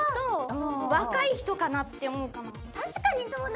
確かにそうだよね。